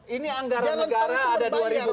ini anggaran negara ada dua ribu